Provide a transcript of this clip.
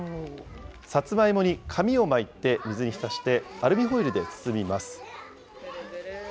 サツマイモに紙を巻いて水に浸して、アルミホイルで包みます。